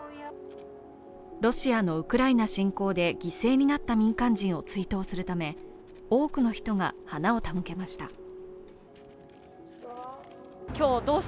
ロシアのウクライナ侵攻で犠牲になった民間人を追悼するため、多くの人が花を手向けました。